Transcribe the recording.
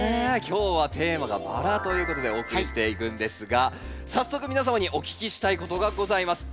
今日はテーマが「バラ」ということでお送りしていくんですが早速皆様にお聞きしたいことがございます。